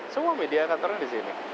semua media kantornya di sini